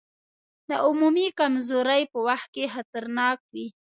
د عمومي کمزورۍ په وخت کې خطرناک وي.